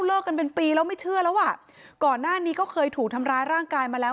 เลิกกันเป็นปีแล้วไม่เชื่อแล้วอ่ะก่อนหน้านี้ก็เคยถูกทำร้ายร่างกายมาแล้ว